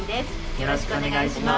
よろしくお願いします。